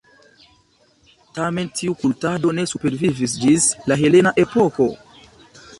Tamen, tiu kultado ne supervivis ĝis la helena epoko.